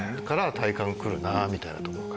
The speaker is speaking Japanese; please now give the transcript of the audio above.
体幹来るなみたいなところから。